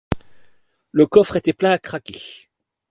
Le coffre était plein à craquer.